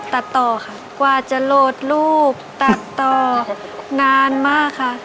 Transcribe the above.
ตัดต่อวาดระสวนรูปตัดต่องานมากค่ะ